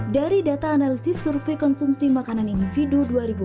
dari data analisis survei konsumsi makanan individu dua ribu dua puluh